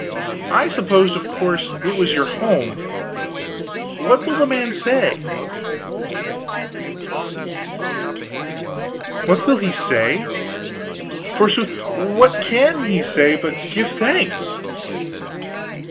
I supposed, of course, it was your home. What will the man say?" "What will he say? Forsooth what can he say but give thanks?"